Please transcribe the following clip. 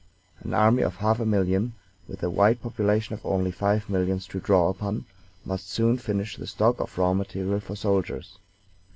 An army of half a million with a white population of only five millions to draw upon, must soon finish the stock of raw material for soldiers.